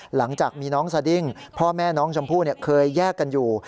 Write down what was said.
หลังจากมีน้องสดิ้งพ่อแม่น้องชมพู่เคยแยกกันอยู่